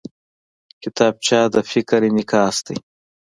کتابچه د فکر انعکاس دی